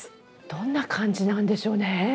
どんな感じなんでしょうね？